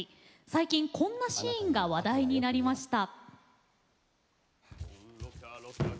最近、こんなシーンが話題になりました。